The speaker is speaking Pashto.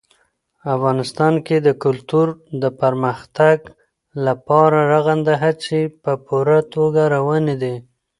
افغانستان کې د کلتور د پرمختګ لپاره رغنده هڅې په پوره توګه روانې دي.